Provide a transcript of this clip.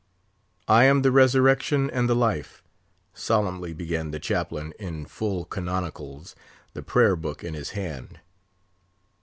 "I am the resurrection and the life!" solemnly began the Chaplain, in full canonicals, the prayer book in his hand.